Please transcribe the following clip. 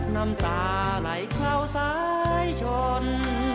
น้ำตาไหลเข้าซ้ายชน